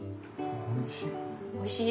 おいしい。